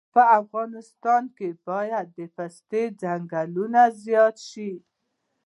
په افغانستان کې باید د پستې ځنګلونه زیات شي